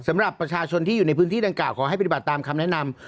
สำหรับประชาชนที่อยู่ในพื้นที่ดังกล่าขอให้ปฏิบัติตามคำแนะนำ